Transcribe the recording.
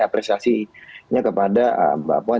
apresiasinya kepada bapak puan